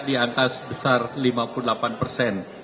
di angka sebesar lima puluh delapan persen